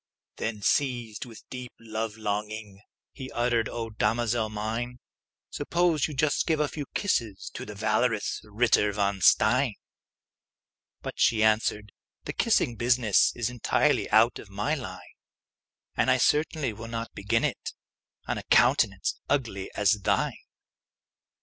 Then, seized with a deep love longing, He uttered, "O damosel mine, Suppose you just give a few kisses To the valorous Ritter von Stein!" But she answered, "The kissing business Is entirely out of my line; And I certainly will not begin it On a countenance ugly as thine!"